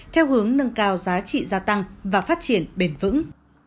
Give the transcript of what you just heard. theo hướng nâng cao giá trị gia tăng và phát triển bền vững